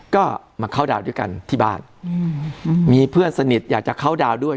ก็มาเข้าดาวด้วยกันที่บ้านมีเพื่อนสนิทอยากจะเข้าดาวด้วย